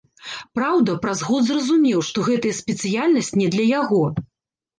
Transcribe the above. Праўда, праз год зразумеў, што гэтая спецыяльнасць не для яго.